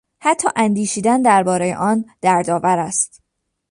حتی اندیشیدن دربارهی آن دردآور است.